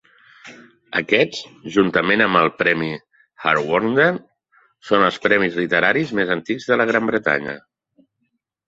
Aquests, juntament amb el Premi Hawthornden, són els premis literaris més antics de la Gran Bretanya.